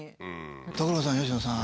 所さん佳乃さん。